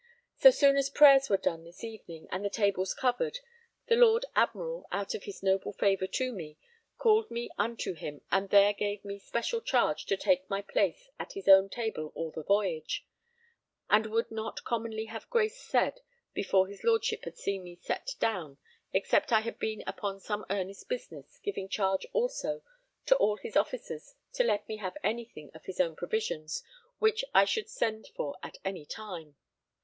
So soon as prayers were done this evening and the tables covered, the Lord Admiral, out of his noble favour to me, called me unto him and there gave me special charge to take my place at his own table all the voyage; and would not commonly have grace said before his Lordship had seen me set down, except I had been upon some earnest business, giving charge also to all his officers to let me have any thing of his own provisions which I should send for at any time.